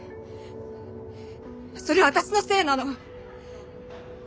それは私のせいなの！